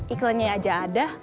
iklannya aja ada